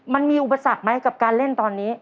มันมีอุปสรรคไหมกับการเล่นตอนนี้